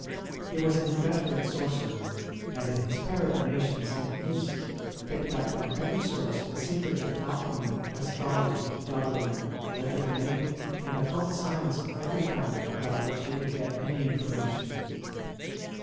He was an inveterate sorcerer, and in his peregrinations in the East, picked up from every source, the secrets of alchemy, astrology, jugglery, legerdemain, and occult science of every kind, about which he could get any information.